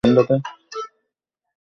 হারলিন কে বাড়িতে পাঠানো হয়েছে!